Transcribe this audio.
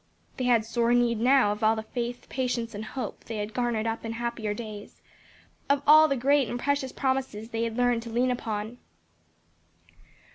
They had sore need now of all the faith, patience and hope they had garnered up in happier days; of all the great and precious promises they had learned to lean upon.